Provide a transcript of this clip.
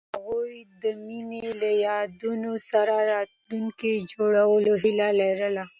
هغوی د مینه له یادونو سره راتلونکی جوړولو هیله لرله.